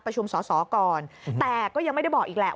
สอสอก่อนแต่ก็ยังไม่ได้บอกอีกแหละ